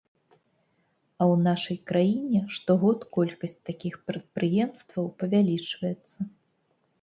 А ў нашай краіне штогод колькасць такіх прадпрыемстваў павялічваецца.